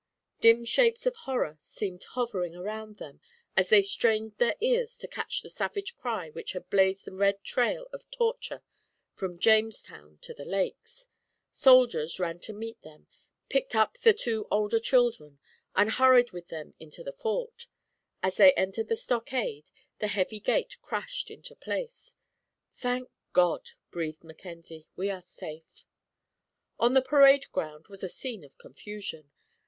Dim shapes of horror seemed hovering around them as they strained their ears to catch the savage cry which had blazed the red trail of torture from Jamestown to the Lakes. Soldiers ran to meet them, picked up the two older children, and hurried with them into the Fort. As they entered the stockade, the heavy gate crashed into place. "Thank God," breathed Mackenzie, "we are safe!" On the parade ground was a scene of confusion.